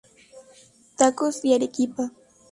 Tacos y Arequipa; Jr.